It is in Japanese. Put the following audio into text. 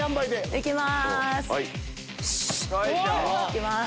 いきます。